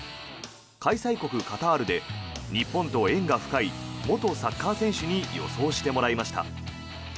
開催国カタールで日本と縁が深い元サッカー選手に予想してもらいました。